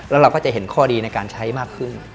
แล้วเราก็จะเห็นข้อดีในการใช้มากขึ้น